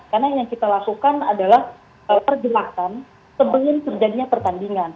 karena yang kita lakukan adalah perjelasan sebelum terjadinya pertandingan